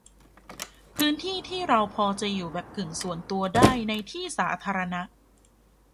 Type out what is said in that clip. พื้นที่ที่เราพอจะอยู่แบบกึ่งส่วนตัวได้ ในที่สาธารณะ